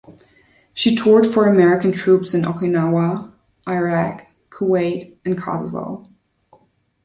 She toured for American troops in Okinawa, Iraq, Kuwait and Kosovo.